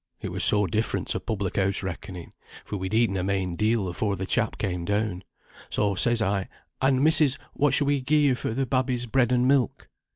It were so different to public house reckoning, for we'd eaten a main deal afore the chap came down. So says I, 'And, missis, what should we gie you for the babby's bread and milk?'